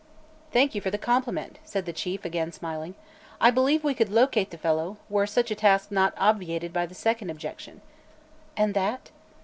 "Thank you for the compliment," said the Chief, again smiling. "I believe we could locate the fellow, were such a task not obviated by the second objection." "And that?"